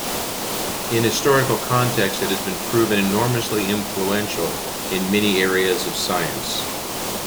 In historical context, it has proven enormously influential in many areas of science.